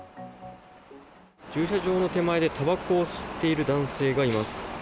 駐車場の手前でたばこを吸っている男性がいます。